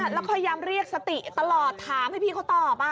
แล้วพยายามเรียกสติตลอดถามให้พี่เขาตอบ